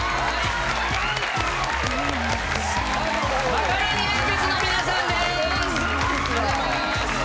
マカロニえんぴつの皆さんです。